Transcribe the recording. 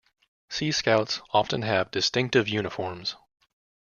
Sea Scouts often have distinctive uniforms.